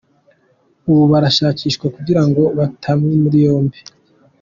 Ubu barashakishwa kugirango batabwe muri yombi.